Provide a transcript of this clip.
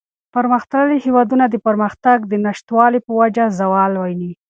پرمختللي هېوادونه د پرمختگ د نشتوالي په وجه زوال ویني.